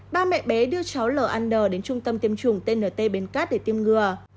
ba mẹ bé đưa cháu l ăn n đến trung tâm tiêm chủng tnt bến cát để tiêm ngừa